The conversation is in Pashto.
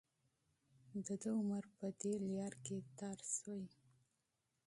د ده عمر په دې لاره کې تېر شوی.